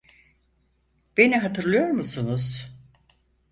Beni hatırlıyor musunuz?